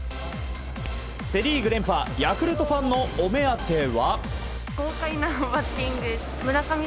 セ・リーグ連覇ヤクルトファンのお目当ては。